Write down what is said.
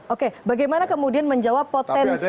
oke bagaimana kemudian menjawab potensi